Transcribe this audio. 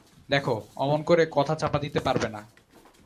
দেখো, অমন করে কথা চাপা দিতে পারবে না।